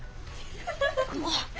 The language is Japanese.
もう！